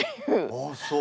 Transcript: あっそう。